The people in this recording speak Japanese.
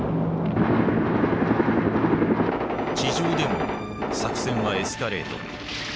地上でも作戦はエスカレート。